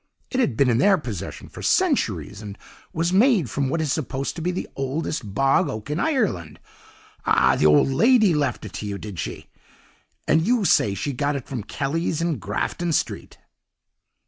It had been in their possession for centuries, and was made from what is supposed to be the oldest bog oak in Ireland. Ah! the old lady left it you, did she? and you say she got it from Kelly's in Grafton Street.